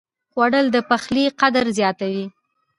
خوړل د پخلي قدر زیاتوي